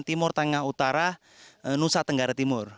timur tengah utara nusa tenggara timur